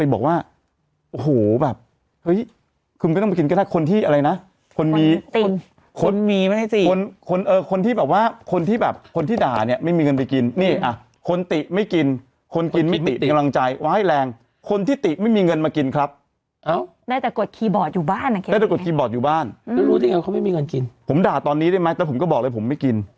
บอกว่าโหแบบเฮ้ยคุณไม่ต้องมากินกระทะคนที่อะไรนะคนมีคนมีมั้ยสิคนเออคนที่แบบว่าคนที่แบบคนที่ด่าเนี่ยไม่มีเงินไปกินเนี่ยอ่ะคนติไม่กินคนกินไม่ติกำลังใจว้ายแรงคนที่ติไม่มีเงินมากินครับได้แต่กดคีย์บอร์ดอยู่บ้านอ่ะได้แต่กดคีย์บอร์ดอยู่บ้านก็รู้ที่ไงเขาไม่มีเงินกินผมด่าตอนนี้ได้ไหมแต่ผม